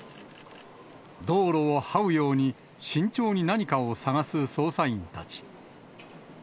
道路をはうように慎重に何かを捜す捜査員たち。